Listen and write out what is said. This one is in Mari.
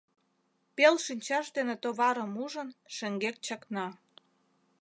Пел шинчаж дене товарым ужын, шеҥгек чакна.